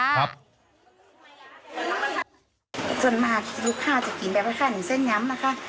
ส่วนมากลูกค้าจะกินแบบคล้ายหนึ่งเส้นย้ำนะคะ